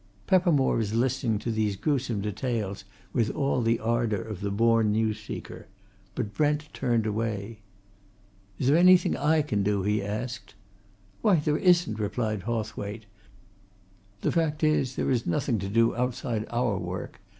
Peppermore was listening to these gruesome details with all the ardour of the born news seeker. But Brent turned away. "Is there anything I can do?" he asked. "Why, there isn't," replied Hawthwaite. "The fact is, there is nothing to do outside our work.